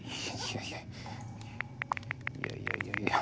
いやいやいやいや。